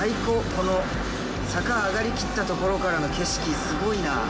この坂上がりきったところからの景色すごいなあ。